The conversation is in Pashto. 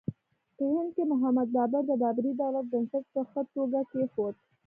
په هند کې محمد بابر د بابري دولت بنسټ په ښه توګه کېښود.